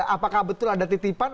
apakah betul ada titipan